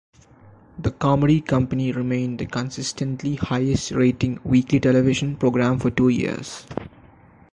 "The Comedy Company" remained the consistently highest rating weekly television program for two years.